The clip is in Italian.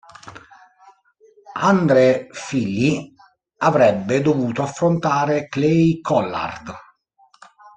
Andre Fili avrebbe dovuto affrontare Clay Collard.